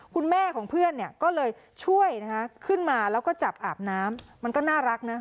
คุณแม่ของเพื่อนเนี่ยก็เลยช่วยนะคะขึ้นมาแล้วก็จับอาบน้ำมันก็น่ารักนะ